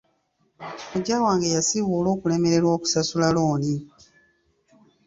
Kojja wange yasibibwa olw'okulemererwa kusasula looni.